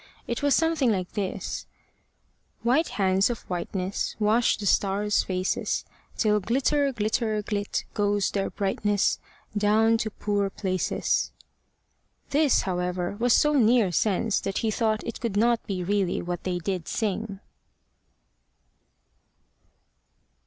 It was something like this: White hands of whiteness Wash the stars' faces, Till glitter, glitter, glit, goes their brightness Down to poor places. This, however, was so near sense that he thought it could not be really what they did sing.